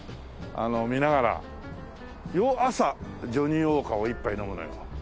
見ながら朝ジョニーウォーカーを１杯飲むのよ。